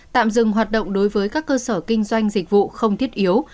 tạm dừng hoạt động đối với các cơ sở kinh doanh dịch vụ không thiết yếu